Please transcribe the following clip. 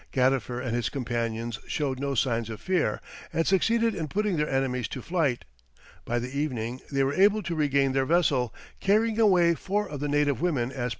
Gadifer and his companions showed no signs of fear, and succeeded in putting their enemies to flight; by the evening they were able to regain their vessel, carrying away four of the native women as prisoners.